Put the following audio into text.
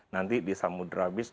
nanti di samudera beach